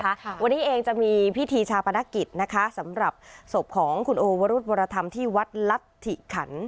ค่ะวันนี้เองจะมีพิธีชาปนกิจนะคะสำหรับศพของคุณโอวรุธวรธรรมที่วัดรัฐธิขัน